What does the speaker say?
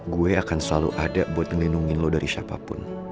gue akan selalu ada buat melindungi lo dari siapapun